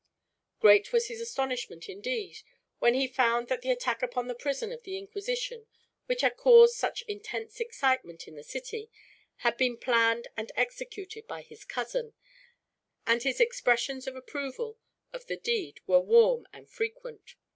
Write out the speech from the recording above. Great was his astonishment, indeed, when he found that the attack upon the prison of the Inquisition, which had caused such intense excitement in the city, had been planned and executed by his cousin; and his expressions of approval of the deed were warm and frequent.